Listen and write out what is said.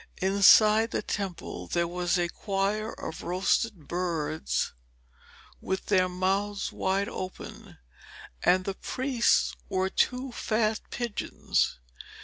Inside the temple there was a choir of roast birds with their mouths wide open, and the priests were two fat pigeons.